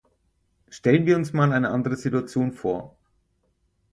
Stellen wir uns mal eine andere Situation vor.